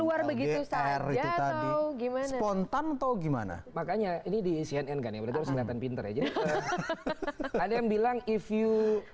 air itu tadi gini spontan atau gimana makanya ini di cnn gane penerja anda yang bilang if you